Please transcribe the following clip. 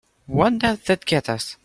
What does that get us?